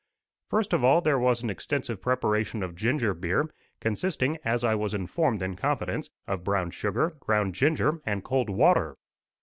First of all there was an extensive preparation of ginger beer, consisting, as I was informed in confidence, of brown sugar, ground ginger, and cold water.